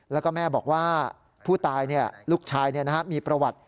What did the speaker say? แล้วก็แม่บอกว่าผู้ตายลูกชายมีประวัติ